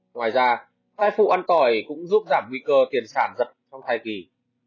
ngoài ra thai phụ ăn tỏi cũng giúp giảm nguy cơ tiền sản dật trong thai kỳ